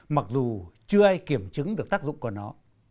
mặc dù chưa ai kiểm chứng được tác dụng của nó